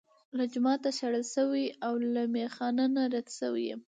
له جوماته شړل شوی او له میخا نه رد شوی یم.